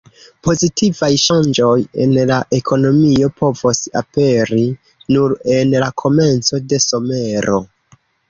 Pozitivaj ŝanĝoj en la ekonomio povos aperi nur en la komenco de somero.